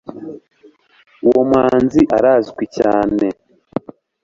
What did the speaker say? uwo muhanzi arazwi cyane